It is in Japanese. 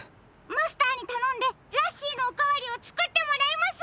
マスターにたのんでラッシーのおかわりをつくってもらいます。